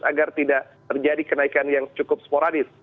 agar tidak terjadi kenaikan yang cukup sporadis